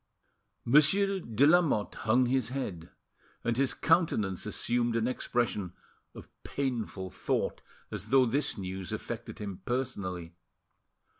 Monsieur de Lamotte hung his head, and his countenance assumed an expression of painful thought, as though this news affected him personally.